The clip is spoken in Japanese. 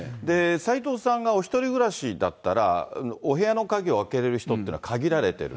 斎藤さんがお一人暮らしだったら、お部屋の鍵を開けれる人っていうのは限られている。